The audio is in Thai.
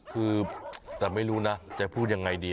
คือแต่ไม่รู้นะจะพูดยังไงดี